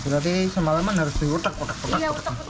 jadi semalaman harus diutek utek